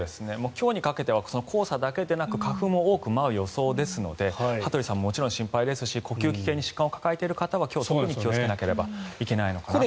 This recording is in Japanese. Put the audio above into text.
今日にかけては黄砂だけでなく花粉も多く舞う予想ですので羽鳥さん、もちろん心配ですし呼吸器系に疾患を抱えている人は今日、特に気をつけなければいけないのかなと。